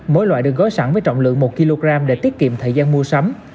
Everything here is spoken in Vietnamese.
mỗi loại được gói sẵn với trọng lượng một kg để tiết kiệm thời gian mua sắm